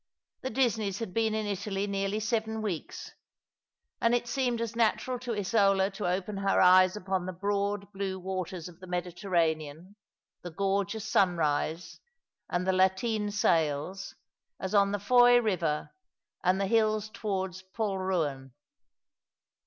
The Disneys had been in Italy nearly seven weeks, and it seemed as natural to Isola to open her eyes upon the broad blue waters of the Mediterranean, the gorgeous sun rise, and the lateen sails, as on the Fowey river and the hills towards Polruan.